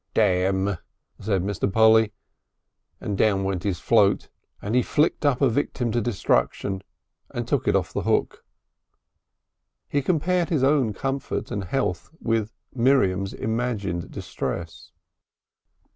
"Damn!" said Mr. Polly, and down went his float and he flicked up a victim to destruction and took it off the hook. He compared his own comfort and health with Miriam's imagined distress.